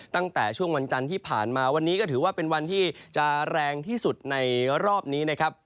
ตั้งแต่ช่วงวันจันทร์ที่ผ่านมาวันนี้ก็ถือว่าเป็นวันที่จะแรงที่สุดในรอบนี้นะครับ